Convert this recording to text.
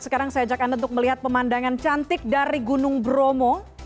sekarang saya ajak anda untuk melihat pemandangan cantik dari gunung bromo